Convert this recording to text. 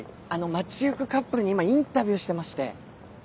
街行くカップルに今インタビューしてまして。